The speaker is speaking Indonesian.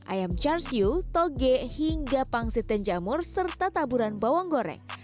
ayam charsiu toge hingga pangsit dan jamur serta taburan bawang goreng